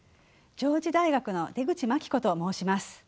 上智大学の出口真紀子と申します。